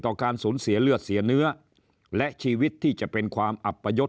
การสูญเสียเลือดเสียเนื้อและชีวิตที่จะเป็นความอัปยศ